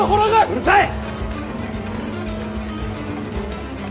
うるさい！